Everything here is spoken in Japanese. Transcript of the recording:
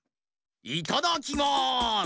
いただきます！